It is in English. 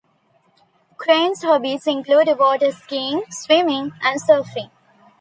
Crane's hobbies include water skiing, swimming and surfing.